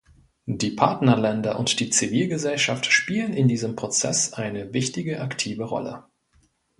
Die Partnerländer und die Zivilgesellschaft spielen in diesem Prozess eine wichtige, aktive Rolle.